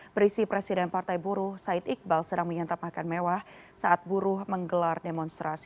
berisi presiden partai buruh said iqbal sedang menyantap makan mewah saat buruh menggelar demonstrasi